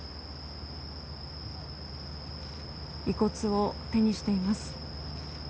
遺骨を手にしています。